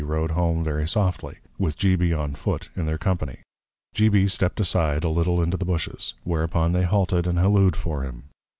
_ Rode home very Softly, with G. B. on Foot in their Company, G. B. stept aside a little into the Bushes; whereupon they halted and Halloo'd for him.